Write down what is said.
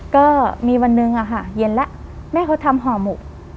ก็มีวันหนึ่งอะค่ะเย็นแล้วแม่เขาทำห่อหมก